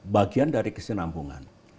bagian dari kesinambungan